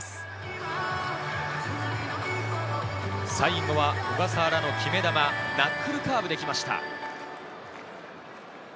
最後は小笠原の決め球、ナックルカーブできました。